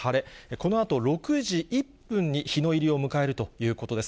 このあと６時１分に日の入りを迎えるということです。